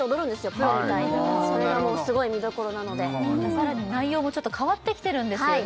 プロみたいにそれがもうすごい見どころなので更に内容もちょっと変わってきてるんですよね